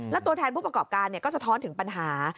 และตัวแทนผู้ประกอบการก็สะท้อนถึงปัญหา